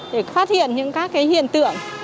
để phát hiện những các hiện tượng